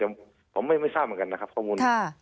แต่ผมไม่ทราบเหมือนกันนะครับข้อมูล